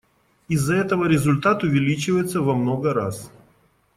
Из-за этого результат увеличивается во много раз.